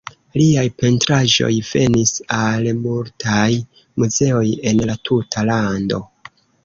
Liaj pentraĵoj venis al multaj muzeoj en la tuta lando.